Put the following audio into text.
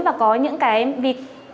và có những cái việc